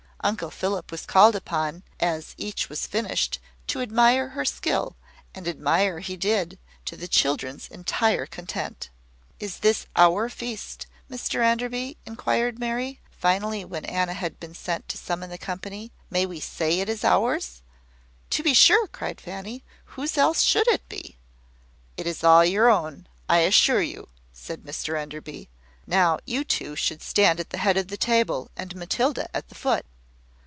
Uncle Philip was called upon, as each was finished, to admire her skill; and admire he did, to the children's entire content. "Is this our feast, Mr Enderby?" inquired Mary, finally, when Anna had been sent to summon the company. "May we say it is ours?" "To be sure," cried Fanny. "Whose else should it be?" "It is all your own, I assure you," said Mr Enderby. "Now, you two should stand at the head of the table, and Matilda at the foot."